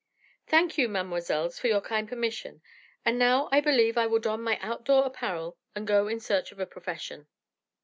"Thank you, mademoiselles, for your kind permission, and now I believe I will don my outdoor apparel and go in search of a profession."